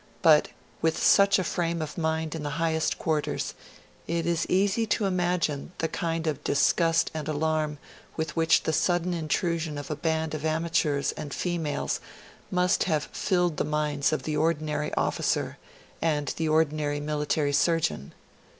But, with such a frame of mind in the highest quarters, it is easy to imagine the kind of disgust and alarm with which the sudden intrusion of a band of amateurs and females must have filled the minds of the ordinary officer and the ordinary military surgeon.